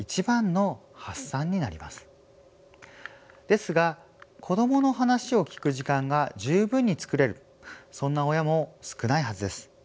ですが子どもの話を聞く時間が十分に作れるそんな親も少ないはずです。